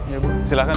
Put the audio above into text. ya ibu silahkan